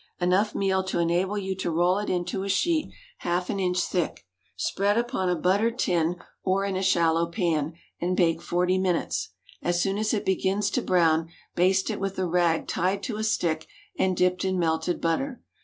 Enough meal to enable you to roll it into a sheet half an inch thick. Spread upon a buttered tin, or in a shallow pan, and bake forty minutes. As soon as it begins to brown, baste it with a rag tied to a stick and dipped in melted butter.